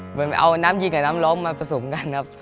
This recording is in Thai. เหมือนเอาน้ำยิงกับน้ำล้มมาผสมกันครับ